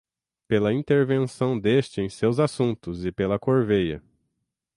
pela intervenção deste em seus assuntos e pela corveia